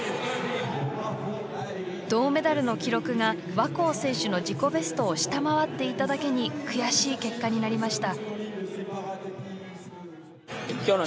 銅メダルの記録が若生選手の自己ベストを下回っていただけに悔しい結果になりました。